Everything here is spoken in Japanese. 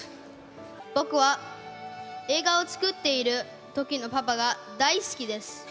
僕は映画を作っているときのパパが大好きです。